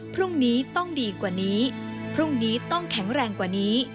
พรุ่งนี้ต้องดีกว่านี้พรุ่งนี้ต้องแข็งแรงกว่านี้